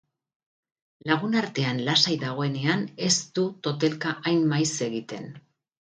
Lagunartean lasai dagoenean ez du totelka hain maiz egiten.